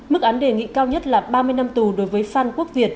mức án đề nghị cao nhất là ba mươi năm tù đối với phan quốc việt